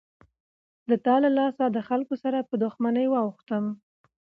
د تا له لاسه دخلکو سره په دښمنۍ واوښتم.